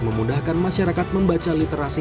memudahkan masyarakat membaca literasi